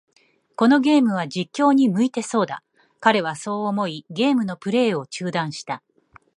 このゲームは、実況に向いてそうだ。彼はそう思い、ゲームのプレイを中断した。